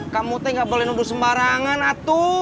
kamu tuh ga boleh duduk sembarangan atuh